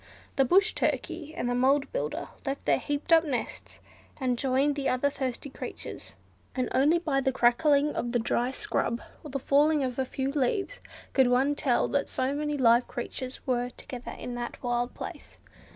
The Brush Turkey and the Mound Builder left their heaped up nests and joined the other thirsty creatures, and only by the crackling of the dry scrub, or the falling of a few leaves, could one tell that so many live creatures were together in that wild place.